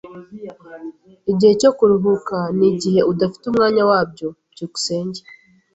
Igihe cyo kuruhuka ni igihe udafite umwanya wabyo. byukusenge